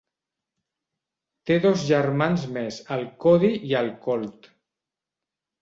Té dos germans més, el Cody i el Colt.